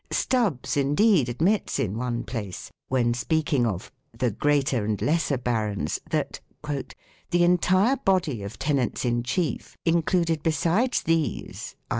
Stubbs, indeed, admits in one place, 1 when speaking of " the greater and lesser barons," that "the entire body of tenants in chief included besides these (i.e.